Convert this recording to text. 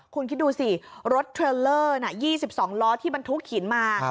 คุณคิดดูสิรถเทรลเลอร์๒๒ล้อที่บรรทุกหินมา